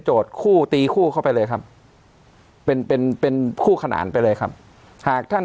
คู่ตีคู่เข้าไปเลยครับเป็นเป็นคู่ขนานไปเลยครับหากท่าน